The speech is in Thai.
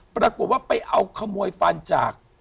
ปรากฏว่าไปเอาขโมยฟันจาก